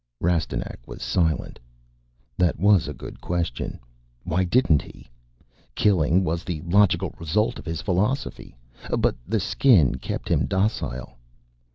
Rastignac was silent. That was a good question. Why didn't he? Killing was the logical result of his philosophy. But the Skin kept him docile.